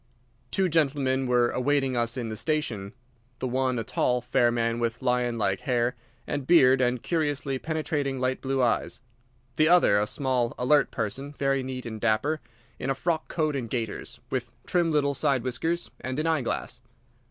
Two gentlemen were awaiting us in the station—the one a tall, fair man with lion like hair and beard and curiously penetrating light blue eyes; the other a small, alert person, very neat and dapper, in a frock coat and gaiters, with trim little side whiskers and an eye glass.